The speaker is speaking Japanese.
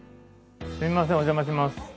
すみませんおじゃまします。